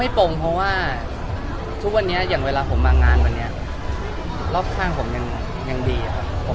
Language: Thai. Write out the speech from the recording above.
ปงเพราะว่าทุกวันนี้อย่างเวลาผมมางานวันนี้รอบข้างผมยังดีครับผม